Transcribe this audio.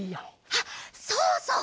あっそうそう！